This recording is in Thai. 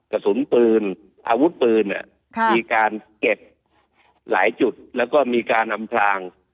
กระสุนปืนอาวุธปืนมีการเก็บหลายจุดแล้วก็มีการอำพลาง